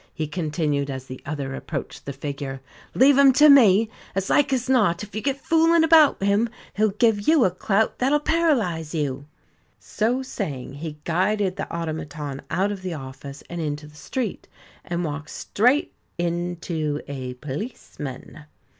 he continued as the other approached the figure. "Leave him to me. As like as not, if you get fooling about him, he'll give you a clout that'll paralyse you." So saying, he guided the automaton out of the office and into the street, and walked straight into a policeman.